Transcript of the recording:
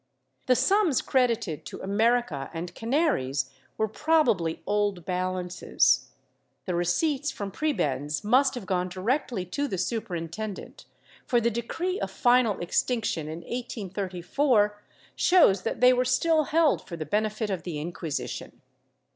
The sums credited to America and Canaries were probably old balances. The receipts from prebends must have gone directly to the Superintendent, for the decree of final ex tinction in 1834 shows that they were still held for the benefit of the Inquisition.